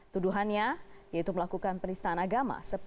tuduhannya yaitu melakukan penistaan agama